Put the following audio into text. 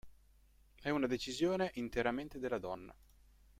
È una decisione interamente della donna.